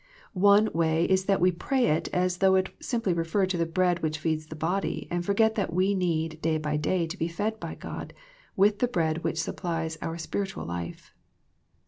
One way is that we pray it as though it simply referred to the bread which feeds the body, and forget that we need day by day to be fed by God with the bread which supplies our spiritual life.